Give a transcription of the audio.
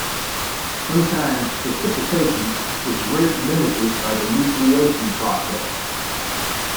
Sometimes precipitation is rate-limited by the nucleation process.